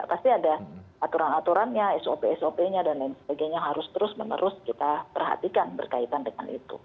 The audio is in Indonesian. pasti ada aturan aturannya sop sop nya dan lain sebagainya harus terus menerus kita perhatikan berkaitan dengan itu